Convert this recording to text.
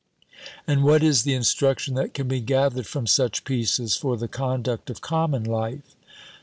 And what is the instruction that can be gathered from such pieces, for the conduct of common life?